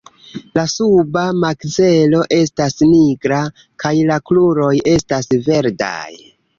La suba makzelo estas nigra, kaj la kruroj estas verdaj.